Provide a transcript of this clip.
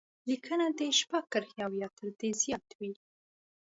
لیکنه دې شپږ کرښې او یا تر دې زیاته وي.